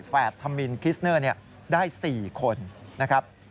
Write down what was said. แดดธมินคิสเนอร์ได้๔คนนะครับ